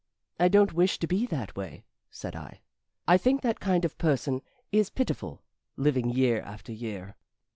"I don't wish to be that way," said I. "I think that kind of person is pitiful, living year after year."